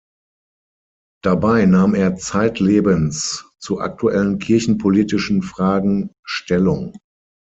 Dabei nahm er zeitlebens zu aktuellen kirchenpolitischen Fragen Stellung.